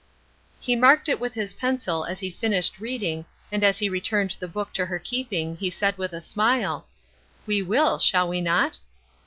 He marked it with his pencil as he finished reading, and as he returned the book to her keeping he said with a smile: "We will, shall we not?"